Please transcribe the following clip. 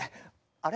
あれ？